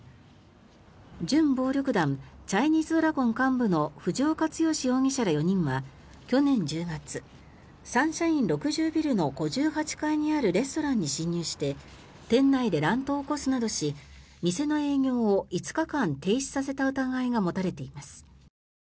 準暴力団チャイニーズドラゴン幹部の藤岡剛容疑者ら４人は去年１０月サンシャイン６０ビルの５８階にあるレストランに侵入して店内で乱闘を起こすなどし店の営業を５日間停止させた疑いが持たれています。